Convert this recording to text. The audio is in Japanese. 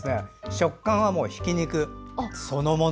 食感はひき肉そのもの。